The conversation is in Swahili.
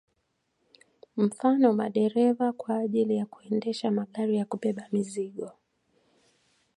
Mfano madereva kwa ajili ya kuendesha magari ya kubeba mizigo